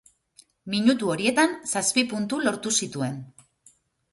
Minutu horietan zazpi puntu lortu zituen.